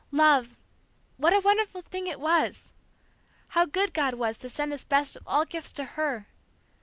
Love what a wonderful thing it was! How good God was to send this best of all gifts to her!